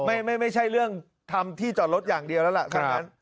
อ่าไม่ใช่เรื่องทำที่จอดรถอย่างเดียวแล้วล่ะ